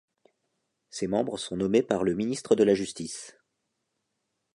Ses membres sont nommés par le ministre de la Justice.